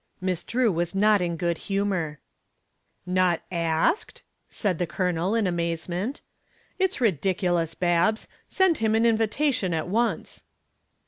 Miss Drew was not in good humor. "Not asked?" said the Colonel in amazement. "It's ridiculous, Babs, send him an invitation at once."